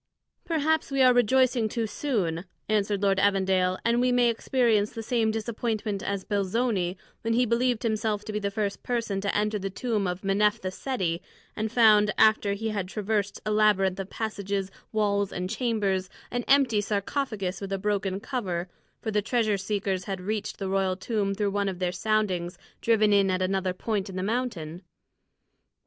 "Perhaps we are rejoicing too soon," answered Lord Evandale, "and we may experience the same disappointment as Belzoni, when he believed himself to be the first to enter the tomb of Menephtha Seti, and found, after he had traversed a labyrinth of passages, walls, and chambers, an empty sarcophagus with a broken cover; for the treasure seekers had reached the royal tomb through one of their soundings driven in at another point in the mountain."